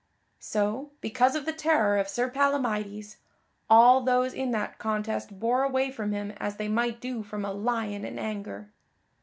So, because of the terror of Sir Palamydes, all those in that contest bore away from him as they might do from a lion in anger.